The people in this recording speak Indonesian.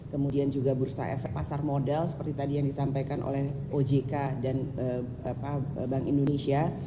kemudian juga bursa efek pasar modal seperti tadi yang disampaikan oleh ojk dan bank indonesia